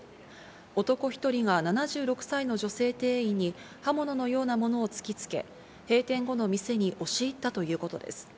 男１人が７６歳の女性店員に刃物のようなものを突きつけ、閉店後の店に押し入ったということです。